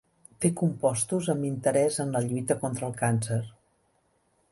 Té compostos amb interès en la lluita contra el càncer.